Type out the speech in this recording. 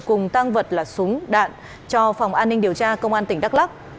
cùng tăng vật là súng đạn cho phòng an ninh điều tra công an tỉnh đắk lắc